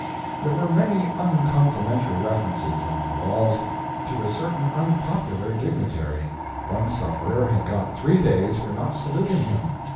There were many uncomplimentary references, on the walls, to a certain unpopular dignitary. One sufferer had got three days for not saluting him.